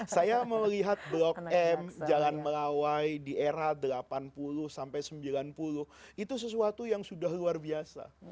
saya melihat blok m jalan melawai di era delapan puluh sampai sembilan puluh itu sesuatu yang sudah luar biasa